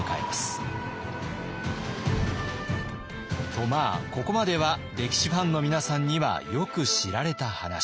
ここまでは歴史ファンの皆さんにはよく知られた話。